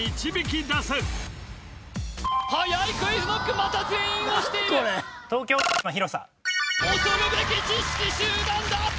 また全員押している恐るべき知識集団だ！